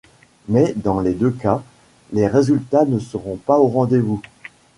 Mais dans les deux cas, les résultats ne seront pas au rendez-vous.